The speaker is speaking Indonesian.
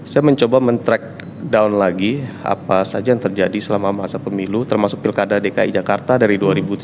saya mencoba men track down lagi apa saja yang terjadi selama masa pemilu termasuk pilkada dki jakarta dari dua ribu tujuh belas